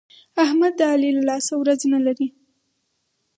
احمد د علي له لاسه ورځ نه لري.